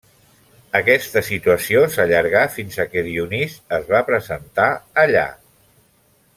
Aquesta situació s'allargà fins que Dionís es va presentar allà.